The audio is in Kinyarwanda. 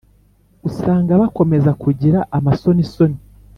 usanga bakomeza kugira amasonisoni,